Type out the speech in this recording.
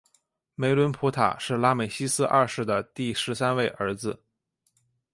梅伦普塔是拉美西斯二世的第十三位儿子。